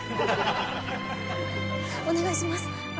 お願いします！